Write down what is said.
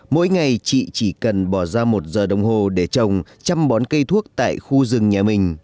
mỗi ngày chị chỉ cần bỏ ra một giờ đồng hồ để trồng chăm bón cây thuốc tại khu rừng nhà mình